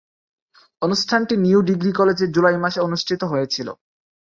অনুষ্ঠানটি new degree কলেজে জুলাই মাসে অনুষ্ঠিত হয়েছিলো।